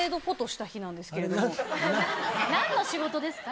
何の仕事ですか？